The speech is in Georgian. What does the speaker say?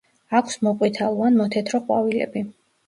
აქვს მოყვითალო ან მოთეთრო ყვავილები.